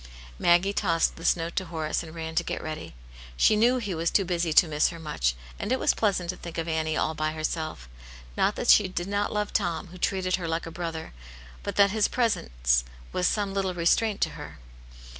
" Maggie tossed this note to Horace, and ran to get ready. She knew he was too busy to miss her much, and it was pleasant to think of seeing Annie all by herself. Not that she did not love Tom, who treated her like a brother, but that his presence was some little restraint to her.